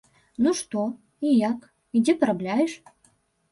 Ну што, і як, і дзе парабляеш?